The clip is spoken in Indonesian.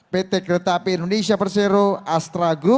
pt kretapi indonesia persero astragub